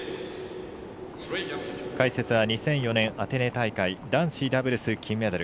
解説は２００４年アテネ大会男子ダブルス金メダル